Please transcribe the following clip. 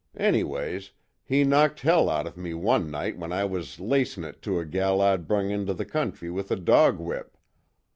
Anyways, he knocked hell out of me one night when I was lacin' it to a gal I'd brung into the country with a dog whip.